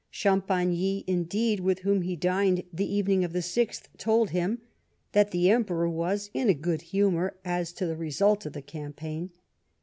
Cham pagny, indeed, with whom he dhied the evening of the 6th, told him that the Emperor was " in a good humour " as to the result of the campaign.